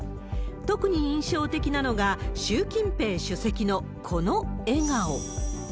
特に印象的なのが、習近平主席のこの笑顔。